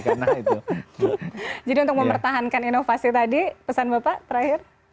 jadi untuk mempertahankan inovasi tadi pesan bapak terakhir